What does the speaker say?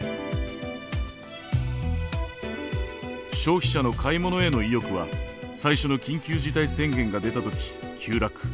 消費者の買い物への意欲は最初の緊急事態宣言が出た時急落。